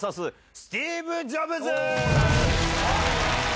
スティーブ・ジョブズ！